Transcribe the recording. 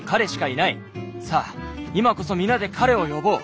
さあ今こそ皆で彼を呼ぼう。